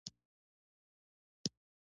د زړه درملنه اوس له مخکې ډېره پرمختللې ده.